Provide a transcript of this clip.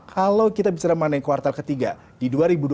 kalau kita bicara mengenai kuartal ketiga di dua ribu dua puluh